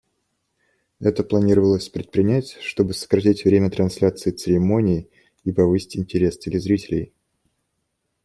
Это планировалось предпринять, чтобы сократить время трансляции церемонии и повысить интерес телезрителей.